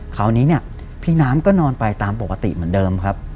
คราวนี้เนี่ยพี่น้ำก็นอนไปตามปกติเหมือนเดิมครับ